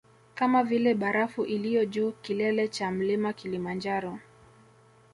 Kama vile barafu iliyo juu kilele cha mlima kilimanjaro